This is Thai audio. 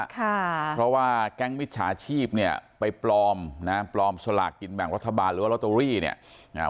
ค่ะเพราะว่าแก๊งมิจฉาชีพเนี่ยไปปลอมนะปลอมสลากกินแบ่งรัฐบาลหรือว่าลอตเตอรี่เนี่ยอ่า